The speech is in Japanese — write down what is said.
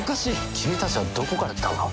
君たちはどこから来たんだ？